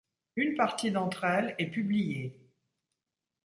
Une partie d’entre elles est publiée.